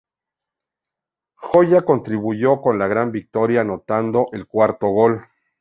Joya contribuyó con la gran victoria anotando el cuarto gol.